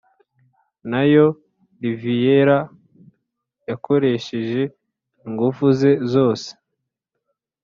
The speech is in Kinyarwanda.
Naya Riviyera yakoresheje ingufu ze zoze